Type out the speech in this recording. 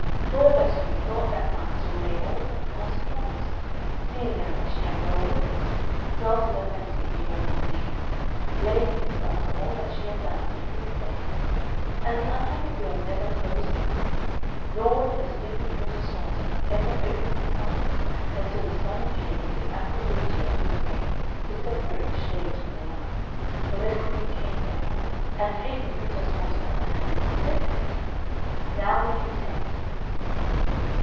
Poor Betta, who thought that night to relate all her past troubles, seeing now that she had no audience, fell to lamenting beyond measure, blaming herself for all that she had done for his sake; and the unhappy girl never closed her mouth, nor did the sleeping Pintosmalto ever open his eyes until the Sun appeared with the aqua regia of his rays to separate the shades from the light, when the Queen came down, and taking Pintosmalto by the hand, said to Betta, "Now be content."